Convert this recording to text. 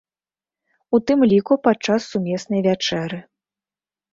У тым ліку падчас сумеснай вячэры.